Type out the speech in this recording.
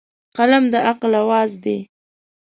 قلم د عقل اواز دی